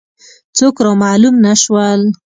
څوک را معلوم نه شول.